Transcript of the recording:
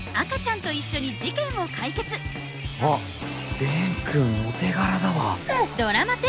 あっ蓮くんお手柄だわ。